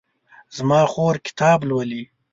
زما خور کتاب لولي